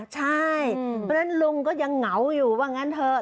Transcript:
ใช่เพราะฉะนั้นลุงก็ยังเหงาอยู่ว่างั้นเถอะ